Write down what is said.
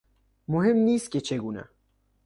مهم نیست که چگونه